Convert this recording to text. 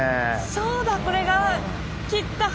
そうだこれが切った橋ですね。